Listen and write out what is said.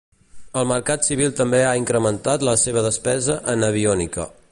El mercat civil també ha incrementat la seva despesa en aviònica.